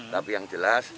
tapi yang jelas